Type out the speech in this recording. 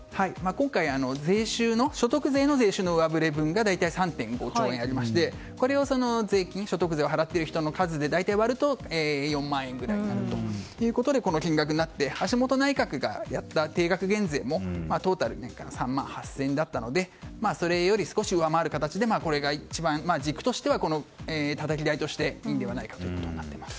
今回所得税の税収の上振れ分が大体３．５兆円ありましてこれを所得税を払っている人の数で割ると４万円ぐらいなのでこの金額になって橋本内閣がやった定額減税もトータル３万８０００円だったのでそれより少し上回る形でこれが一番軸としてたたき台としていいのではないかとなっています。